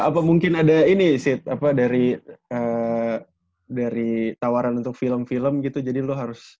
apa mungkin ada ini sih apa dari tawaran untuk film film gitu jadi lo harus